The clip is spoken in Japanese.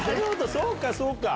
そうかそうか。